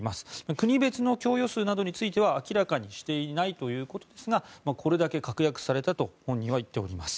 国別の供与数などについては明らかにしていないということですがこれだけ確約されたと本人は言っております。